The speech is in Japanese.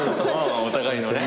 お互いのね。